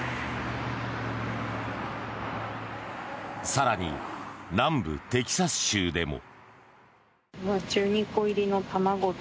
更に、南部テキサス州でも。